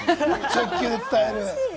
直球で伝える。